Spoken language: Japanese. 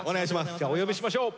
じゃあお呼びしましょう！